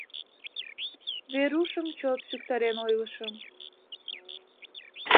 Верушым чот шӱктарен ойлышым.